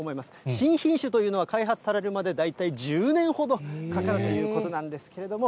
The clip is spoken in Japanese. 新品種というのは開発されるまで大体１０年ほどかかるということなんですけれども。